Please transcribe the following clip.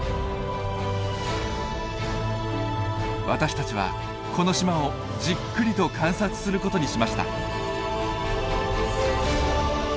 私たちはこの島をじっくりと観察することにしました。